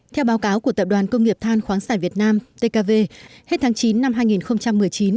theo báo cáo của tập đoàn công nghiệp than khoáng sản việt nam tkv hết tháng chín năm hai nghìn một mươi chín